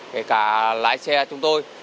kể cả lái xe chúng tôi